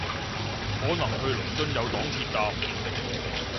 可能去倫敦有黨鐵搭